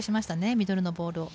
ミドルのボールを。